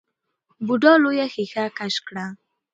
بوډا لويه ښېښه کش کړه.